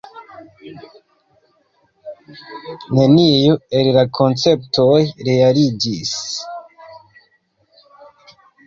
Neniu el la konceptoj realiĝis.